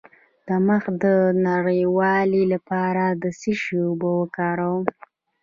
د مخ د روڼوالي لپاره د څه شي اوبه وکاروم؟